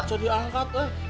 coba diangkat lah